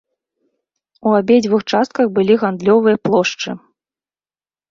У абедзвюх частках былі гандлёвыя плошчы.